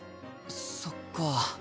そっか。